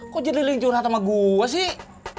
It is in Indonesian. kok jadi lingcur hati sama gue sih